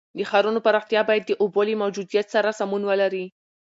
د ښارونو پراختیا باید د اوبو له موجودیت سره سمون ولري.